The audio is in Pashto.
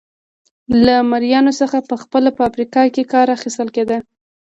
له مریانو څخه په خپله په افریقا کې کار اخیستل کېده.